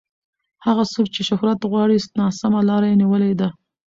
هغه څوک چې شهرت غواړي ناسمه لار یې نیولې ده.